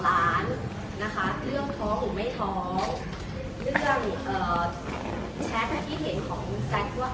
ล้านนะคะเรื่องท้อหรือไม่ท้อเรื่องเอ่อแชทที่เห็นของแจ๊คว่า